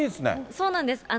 そうなんです。